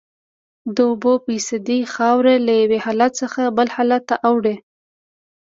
د اوبو فیصدي خاوره له یو حالت څخه بل حالت ته اړوي